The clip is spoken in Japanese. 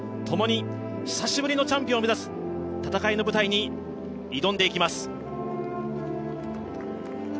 ともに久しぶりのチャンピオンを目指す戦いの舞台に挑んでいきます。